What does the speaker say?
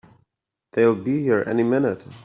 They'll be here any minute!